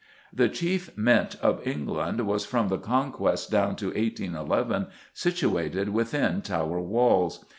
The chief Mint of England was, from the Conquest down to 1811, situated within Tower walls.